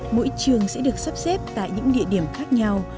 mỗi trường sẽ được sắp xếp tại những địa điểm khác nhau